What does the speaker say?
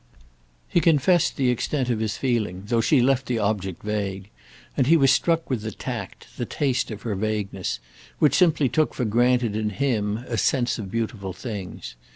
He confessed the extent of his feeling, though she left the object vague; and he was struck with the tact, the taste of her vagueness, which simply took for granted in him a sense of beautiful things.